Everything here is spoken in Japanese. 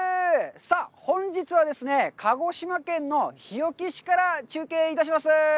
さあ、本日はですね、鹿児島県の日置市から中継いたします。